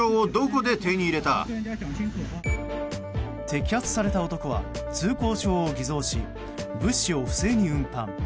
摘発された男は通行証を偽造し物資を不正に運搬。